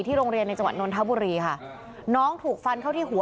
โรงเรียนในจังหวัดนนทบุรีค่ะน้องถูกฟันเข้าที่หัว